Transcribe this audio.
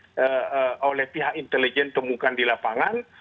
tetapi faktanya seperti itu yang kita hadapi oleh pihak intelijen temukan di lapangan